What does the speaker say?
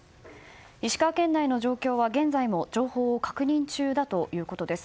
石川県内の状況は、現在も情報を確認中だということです。